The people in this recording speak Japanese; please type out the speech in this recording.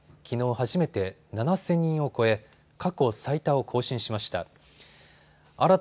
初めて７０００人を超え過去最多を更新しました。